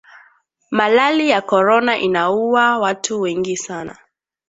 Malali ya corona inauwa watu wengi sana